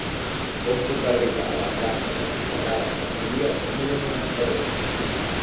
Com puc arribar a la plaça de la Sagrada Família número noranta-dos?